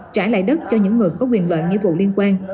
trả lại đất cho những người có quyền loại nghĩa vụ liên quan